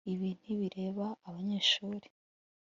ibi ntibireba abanyeshuri